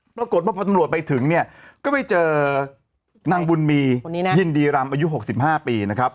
ปรากฏว่าพอตำรวจไปถึงก็ไปเจอนางบุญมียินดีรำอายุ๖๕ปี